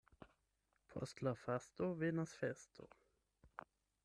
Post la fasto venas festo.